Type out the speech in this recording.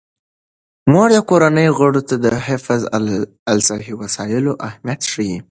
مور د کورنۍ غړو ته د حفظ الصحې وسایلو اهمیت ښيي.